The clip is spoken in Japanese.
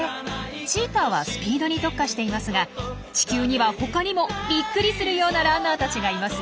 チーターはスピードに特化していますが地球には他にもびっくりするようなランナーたちがいますよ。